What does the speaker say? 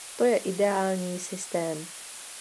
To je ideální systém.